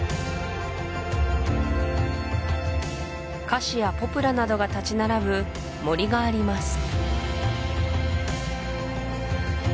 カシやポプラなどが立ち並ぶ森があります